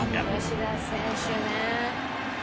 吉田選手ね。